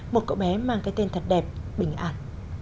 một cậu bé mang cái tên thật đẹp bình ản